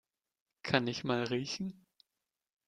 Kann ich mal riechen?